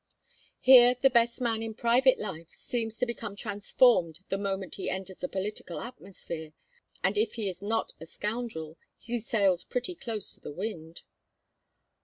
Here, the best man in private life seems to become transformed the moment he enters the political atmosphere, and if he is not a scoundrel, he sails pretty close to the wind."